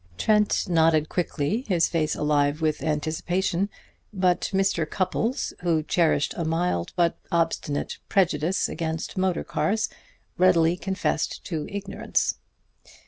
Trent nodded quickly, his face alive with anticipation; but Mr. Cupples, who cherished a mild but obstinate prejudice against motor cars, readily confessed to ignorance.